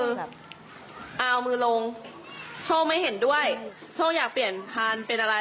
คือแบบเอามือลงโชคไม่เห็นด้วยโชคอยากเปลี่ยนพานเป็นอะไร